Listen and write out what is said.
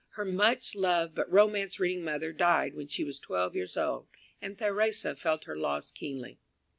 Her much loved but romance reading mother died when she was twelve years old, and Theresa felt her loss keenly.